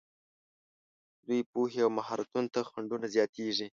دوی پوهې او مهارتونو ته خنډونه زیاتېږي.